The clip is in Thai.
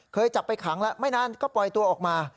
จับไปขังแล้วไม่นานก็ปล่อยตัวออกมา